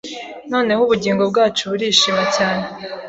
Noneho Ubugingo bwacu burishima cyane